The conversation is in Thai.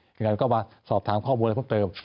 อย่างนั้นก็มาสอบถามข้อมูลอะไรเพิ่มเติม